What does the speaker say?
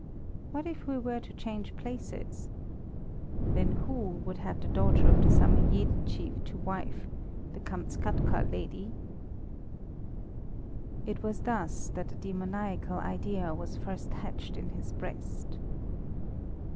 What if we were to change places? Then who would have the daughter of the Samoyede chief to wife, the Kamskatka lady?" It was thus that the demoniacal idea was first hatched in his breast.